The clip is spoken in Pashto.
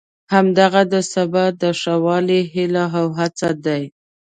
همدغه د سبا د ښه والي هیلې او هڅې دي.